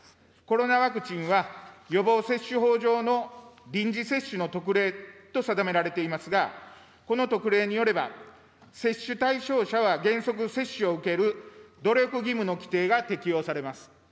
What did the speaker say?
コロナワクチンは予防接種法上の臨時接種の特例と定められていますが、この特例によれば、接種対象者は原則、接種を受ける努力義務の規定が適用されます。